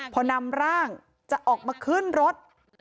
พอนำร่างจะออกมาขึ้นรถ